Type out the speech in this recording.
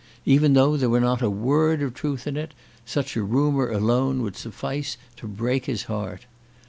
Even though there were not a word of truth in it, such a rumour alone would suffice to break his heart.